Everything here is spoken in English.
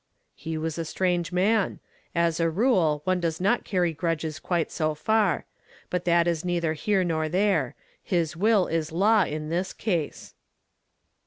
"He was a strange man. As a rule, one does not carry grudges quite so far. But that is neither here nor there. His will is law in this case."